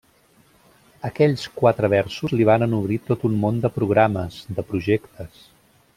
Aquells quatre versos li varen obrir tot un món de programes, de projectes.